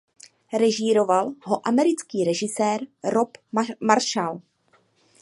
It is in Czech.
Režíroval ho americký režisér Rob Marshall.